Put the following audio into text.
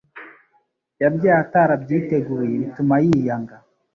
yabyaye atari abyiteguye bituma yiyanga